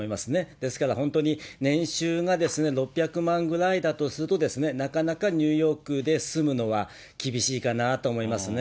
ですから本当に、年収が６００万ぐらいだとすると、なかなかニューヨークで住むのは厳しいかなと思いますね。